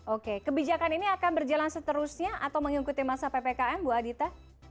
oke kebijakan ini akan berjalan seterusnya atau mengikuti masa ppkm bu adita